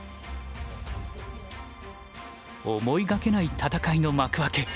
思いがけない戦いの幕開け。